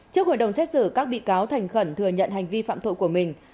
trước hội đồng xét xử các bị cáo thành khẩn thừa nhận hành vi phạm tội của mình